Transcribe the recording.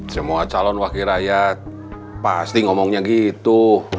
semua calon wakil rakyat pasti ngomongnya gitu